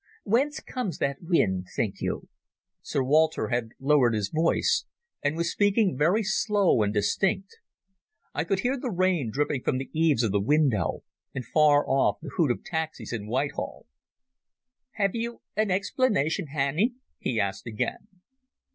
Whence comes that wind, think you?" Sir Walter had lowered his voice and was speaking very slow and distinct. I could hear the rain dripping from the eaves of the window, and far off the hoot of taxis in Whitehall. "Have you an explanation, Hannay?" he asked again.